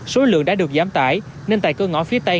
nhiều lượng đã được giám tải nên tại cơ ngõ phía tây